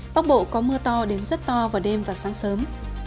bắc bộ có mưa to đến rất to vào đêm và sáng sớm